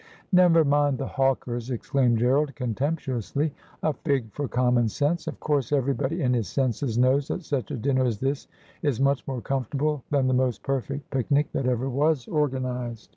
' Never mind the hawkers,' exclaimed Gerald contemptu ously. ' A fig for common sense. Of course, everybody in his senses knows that such a dinner as this is much more comfort able than the most perfect picnic that ever was organised.